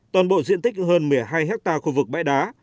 toàn bộ diện tích hơn một mươi hai hectare khu vực bãi đá